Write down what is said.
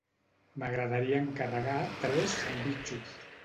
M'agradaria encarregar tres sandvitxos.